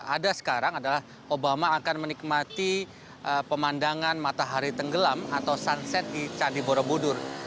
ada sekarang adalah obama akan menikmati pemandangan matahari tenggelam atau sunset di candi borobudur